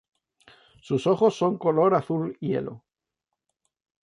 Sus ojos son color azul hielo.